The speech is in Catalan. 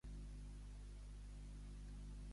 També van usar els noms de "Gaius, Luci, Caeso" i "Marc".